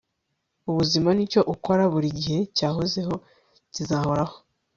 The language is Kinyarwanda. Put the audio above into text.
ubuzima nicyo ukora buri gihe cyahozeho, kizahoraho